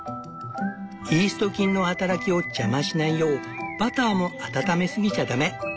イースト菌の働きを邪魔しないようバターも温めすぎちゃダメ。